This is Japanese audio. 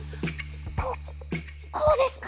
ここうですか？